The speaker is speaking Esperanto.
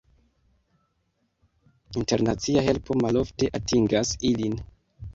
Internacia helpo malofte atingas ilin.